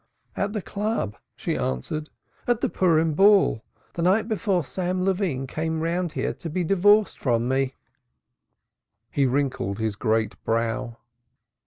"At the Club," she answered. "At the Purim Ball the night before Sam Levine came round here to be divorced from me." He wrinkled his great brow.